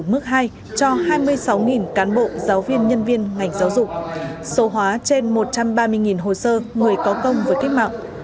mức hai cho hai mươi sáu cán bộ giáo viên nhân viên ngành giáo dục số hóa trên một trăm ba mươi hồ sơ người có công với cách mạng